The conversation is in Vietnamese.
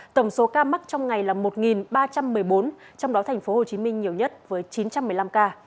tổng số ca mắc trong ngày là một ba trăm một mươi bốn trong đó tp hcm nhiều nhất với chín trăm một mươi năm ca